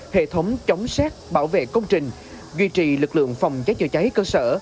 hệ thống chống xét bảo vệ công trình duy trì lực lượng phòng cháy chữa cháy cơ sở